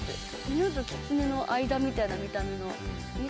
犬とキツネの間みたいな見た目の。